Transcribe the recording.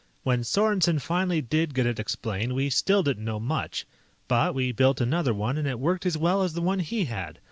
"When Sorensen finally did get it explained, we still didn't know much. But we built another one, and it worked as well as the one he had.